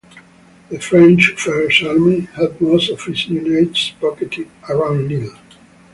The French First Army had most of its units pocketed around Lille.